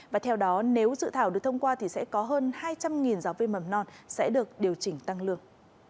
và theo đó nếu dự thảo được thông qua thì sẽ có hơn hai trăm linh giáo viên mầm non sẽ được điều chỉnh tăng lương